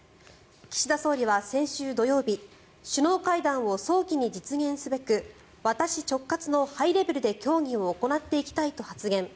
岸田総理は先週土曜日首脳会談を早期に実現すべく私直轄のハイレベルで協議を行っていきたいと発言。